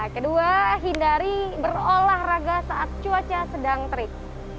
kedua hindari berolahraga saat cuaca sedang terik